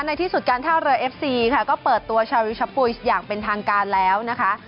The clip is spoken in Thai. ในที่สุดการท่าเรือเอฟซีค่ะก็เปิดตัวชาวริวชะปุยสอย่างเป็นทางการแล้วนะคะ